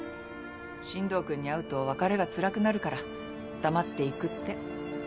新藤君に会うと別れがつらくなるから黙って行くって。